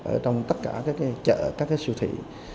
ở trong tất cả các chợ các siêu thị